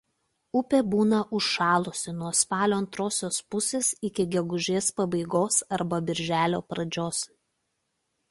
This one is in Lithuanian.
Upė būna užšalusi nuo spalio antrosios pusės iki gegužės pabaigos arba birželio pradžios.